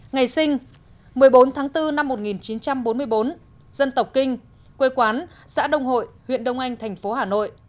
ngày sinh một mươi bốn tháng bốn năm một nghìn chín trăm bốn mươi bốn dân tộc kinh quê quán xã đông hội huyện đông anh thành phố hà nội